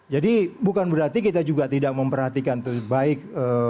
jadi bukan berarti kita juga tidak memperhatikan itu baik